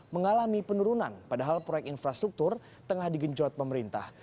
mengalami penurunan padahal proyek infrastruktur tengah digenjot pemerintah